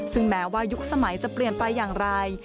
ซึ่งแม้ว่ายุคสมัยจะเปลี่ยนไปอย่างไร